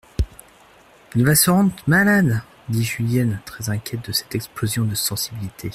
Il va se rendre malade ! dit Julienne, très inquiète de cette explosion de sensibilité.